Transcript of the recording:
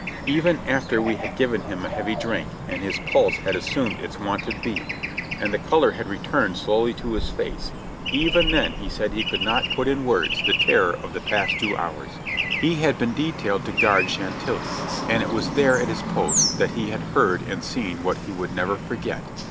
Even after we had given him a heavy drink, and his pulse had assumed its wonted beat, and the color had returned slowly to his face — even then he said he could not put in words 90 JOHNNY REB AND BILI^Y YANK the terror of the past two hours. He had been detailed to guard Chantilly, and it was there at his post that he had heard and seen what he would never forget.